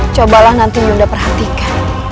cobalah nanti yunda perhatikan